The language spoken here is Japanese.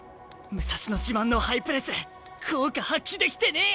武蔵野自慢のハイプレス効果発揮できてねえ！